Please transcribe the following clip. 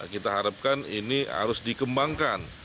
kita harapkan ini harus dikembangkan